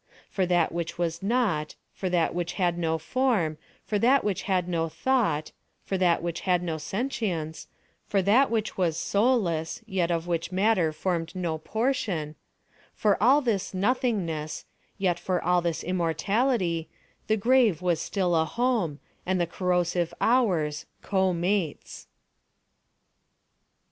For that which was not—for that which had no form—for that which had no thought—for that which had no sentience—for that which was soulless, yet of which matter formed no portion—for all this nothingness, yet for all this immortality, the grave was still a home, and the corrosive hours, co mates.